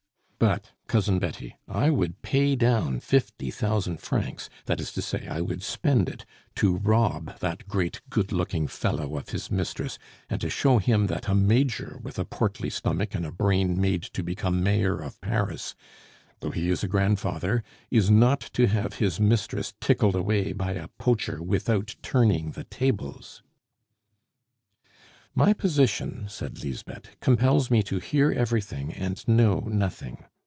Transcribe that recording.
But, Cousin Betty, I would pay down fifty thousand francs that is to say, I would spend it to rob that great good looking fellow of his mistress, and to show him that a Major with a portly stomach and a brain made to become Mayor of Paris, though he is a grandfather, is not to have his mistress tickled away by a poacher without turning the tables." "My position," said Lisbeth, "compels me to hear everything and know nothing.